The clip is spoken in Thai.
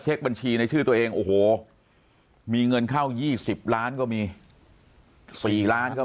บัญชีในชื่อตัวเองโอ้โหมีเงินเข้า๒๐ล้านก็มี๔ล้านก็